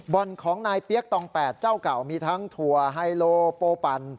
ของนายเปี๊ยกตอง๘เจ้าเก่ามีทั้งถั่วไฮโลโปปั่น